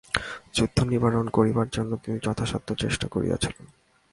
যুদ্ধ নিবারণ করিবার জন্য তিনি যথাসাধ্য চেষ্টা করিয়াছিলেন।